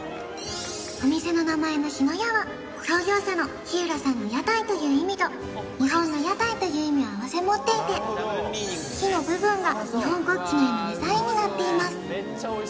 お店の名前の日乃屋は創業者の日浦さんの屋台という意味と日本の屋台という意味を併せ持っていて「日」の部分が日本国旗のようなデザインになっています